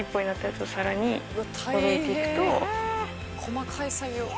更に細かい作業。